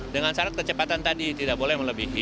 dengan syarat kecepatan tadi tidak boleh melebihi